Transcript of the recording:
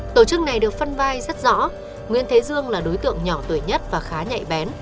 tổ chức này được phân vai rất rõ nguyễn thế dương là đối tượng nhỏ tuổi nhất và khá nhạy bén